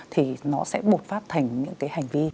thì nó sẽ bột phát thành những cái hành vi